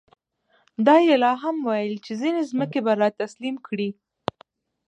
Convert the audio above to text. دا یې لا هم ویل چې ځینې ځمکې به را تسلیم کړي.